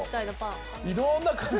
いろんな感触。